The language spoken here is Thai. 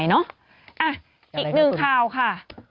อีกหนึ่งข่าวค่ะ